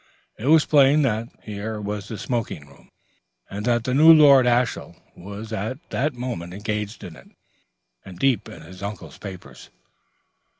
It was plain that here was the smoking room, and that the new Lord Ashiel was at that moment engaged in it, and deep in his uncle's papers.